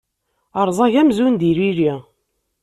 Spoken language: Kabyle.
Rẓag amzun d ilili.